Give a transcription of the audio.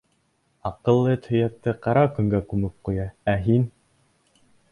Аҡыллы эт һөйәкте ҡара көнгә күмеп ҡуя, ә һин...